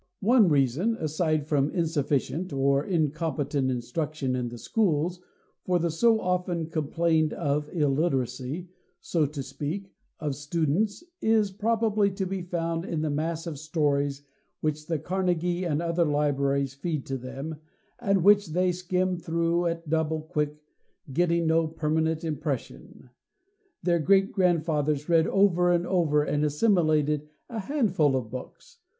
"One reason, aside from insufficient or incompetent instruction in the schools, for the so often complained of illiteracy, so to speak, of students, is probably to be found in the mass of stories which the Carnegie and other libraries feed to them, and which they skim through at the double quick, getting no permanent impression. Their great grandfathers read over and over and assimilated a handful of books.